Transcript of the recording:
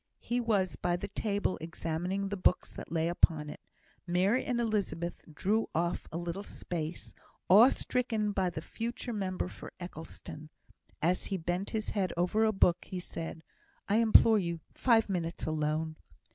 He was by the table examining the books that lay upon it. Mary and Elizabeth drew off a little space, awe stricken by the future member for Eccleston. As he bent his head over a book, he said, "I implore you; five minutes alone."